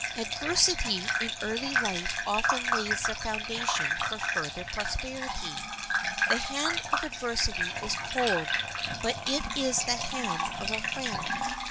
Adversity in early life often lays the foundation for future prosperity. The hand of adversity is cold, but it is the hand of a friend.